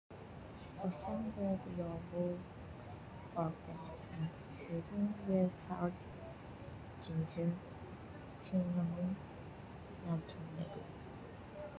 Wash them with yolks of eggs and season with salt, ginger, cinnamon, nutmeg.